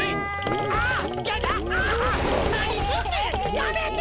やめて！